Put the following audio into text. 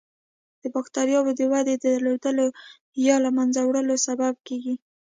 د بکټریاوو د ودې د درولو یا له منځه وړلو سبب کیږي.